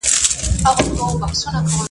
زه لوبه نه کوم!؟